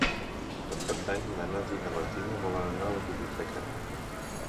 Per Cap d'Any na Nàdia i na Martina volen anar a la biblioteca.